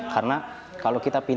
karena kalau kita pintar